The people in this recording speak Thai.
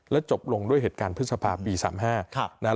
จบลงด้วยเหตุการณ์พฤษภาปี๓๕นะครับ